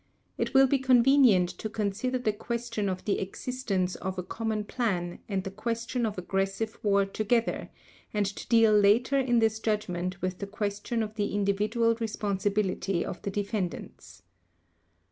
It will be convenient to consider the question of the existence of a common plan and the question of aggressive war together, and to deal later in this Judgment with the question of the individual responsibility of the defendants.